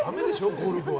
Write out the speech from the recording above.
ゴルフは。